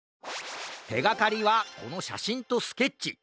てがかりはこのしゃしんとスケッチ。